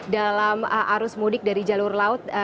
dalam arus mudik dari jalur laut